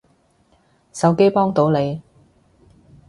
手機幫到你